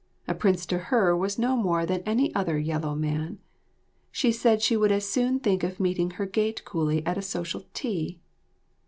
A prince to her was no more than any other yellow man; she said she would as soon think of meeting her gate coolie at a social tea.